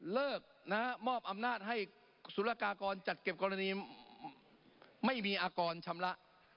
เลิกนะฮะมอบอำนาจให้สุรกากรจัดเก็บกรณีไม่มีอากรชำระ